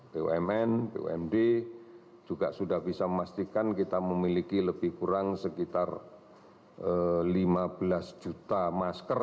bumn bumd juga sudah bisa memastikan kita memiliki lebih kurang sekitar lima belas juta masker